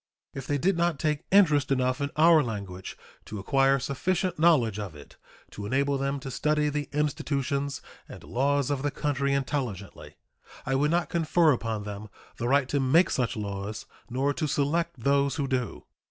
If they did not take interest enough in our language to acquire sufficient knowledge of it to enable them to study the institutions and laws of the country intelligently, I would not confer upon them the right to make such laws nor to select those who do.